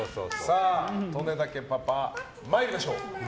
利根田家パパ、参りましょう。